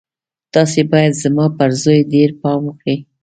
تاسې بايد زما پر زوی ډېر پام وکړئ.